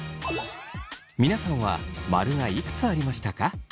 皆さんはマルがいくつありましたか？